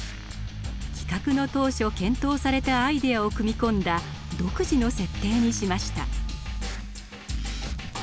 企画の当初検討されたアイデアを組み込んだ独自の設定にしました。